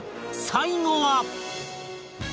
最後は